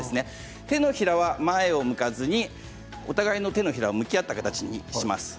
手のひらは前を向かずにお互いの手のひら向き合った形です。